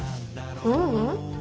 ううん。